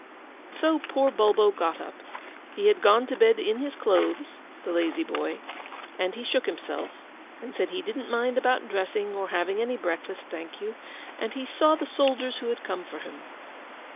So poor Bulbo got up: he had gone to bed in his clothes (the lazy boy), and he shook himself, and said he didn't mind about dressing, or having any breakfast, thank you; and he saw the soldiers who had come for him.